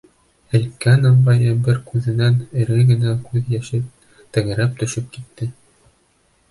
Һелккән ыңғайы бер күҙенән эре генә күҙ йәше тәгәрләп төшөп китте.